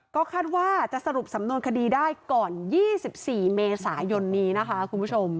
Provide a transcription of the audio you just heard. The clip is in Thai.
ก็คาดว่าจะสรุปสำนวนคดีได้ก่อน๒๔เมษายนนี้นะคะคุณผู้ชม